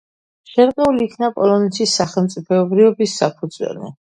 შერყეული იქნა პოლონეთის სახელმწიფოებრიობის საფუძველი.